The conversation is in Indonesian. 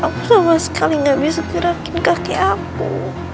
aku sama sekali gak bisa di gerakin kaki aku